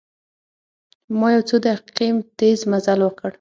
ما یو څو دقیقې تیز مزل وکړ.